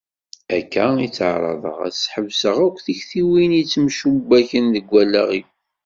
Akka i tteɛraḍeɣ ad sḥebseɣ akk tiktiwin i yettemcubbaken deg wallaɣ-iw.